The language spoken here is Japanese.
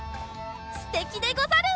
すてきでござる！